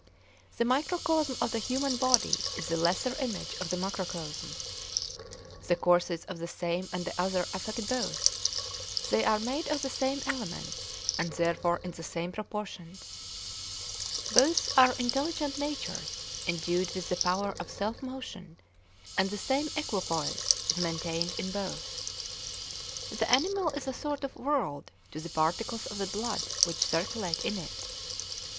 The microcosm of the human body is the lesser image of the macrocosm. The courses of the same and the other affect both; they are made of the same elements and therefore in the same proportions. Both are intelligent natures endued with the power of self motion, and the same equipoise is maintained in both. The animal is a sort of 'world' to the particles of the blood which circulate in it.